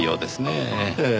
ええ。